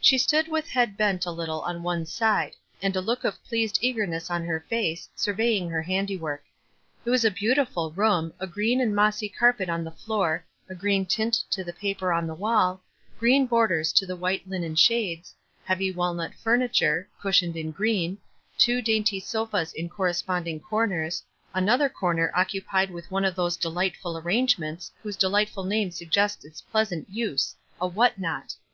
She stood with head bent a little on one Fide, and a look of pleased eagerness on her face, surveying her handiwork. It was a beau tiful room, a green and mossy carpet on the floor, a green tint to the paper on the wall, green borders to the white linen shades, heavy walnut furniture, cushioned in green, two dainty sofas in corresponding corners, another corner occupied with one of those delightful arrange ments whose delightful name suggests its pleas ant use — a what not